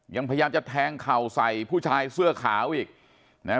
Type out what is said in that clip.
ยังพยายามจะแทงเข่าใส่ผู้ชายเสื้อขาวอีกนะฮะ